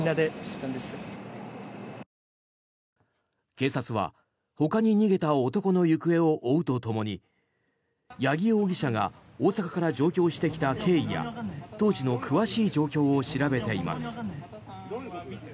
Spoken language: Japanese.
警察はほかに逃げた男の行方を追うとともに八木容疑者が大阪から上京してきた経緯や当時の詳しい状況を調べています。